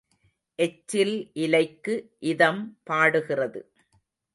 எச்சில் இலைக்கு இதம் பாடுகிறது.